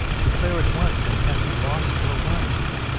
Declare at once , and hath he loft or wun